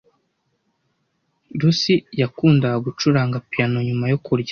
Lucy yakundaga gucuranga piyano nyuma yo kurya.